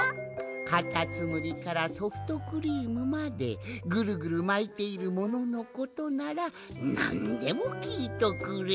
かたつむりからソフトクリームまでぐるぐるまいているもののことならなんでもきいとくれ。